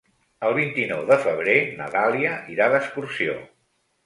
El vint-i-nou de febrer na Dàlia irà d'excursió.